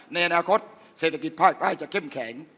ในอนาคตเศรษฐกิจภาคใต้จะเข้มแข็ง